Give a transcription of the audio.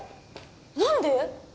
何で？